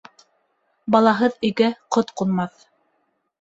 Балаһыҙ өйгә ҡот ҡунмаҫ.